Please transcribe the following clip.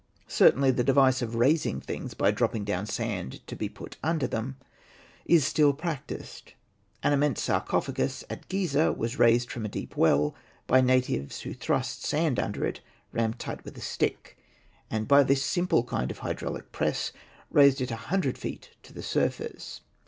Certainly the device of raising things by dropping down sand to be put under them is still practised. An immense sarcophagus at Gizeh was raised from a deep well by natives who thrust sand under it rammed tight by a stick, and by this simple kind of hydraulic press raised it a hundred feet to the surface.